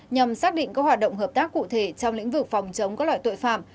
nhằm xác định có hoạt động hợp tác cụ thể trong lĩnh vực phòng chống các loại tội phạm